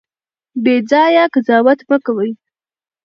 بې ځایه قضاوت مه کوئ.